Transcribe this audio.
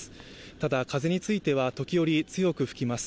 ただ、風については時折強く吹きます。